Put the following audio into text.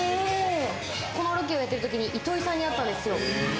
このロケをやってるときに糸井さんにあったんですよ。